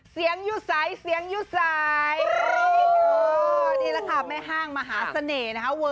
เสียงหยุดทรายเสียงหยุดทรายไปหนีก็ดีแล้วค่ะแม่ห้างมหาเสน่ห์นะครับ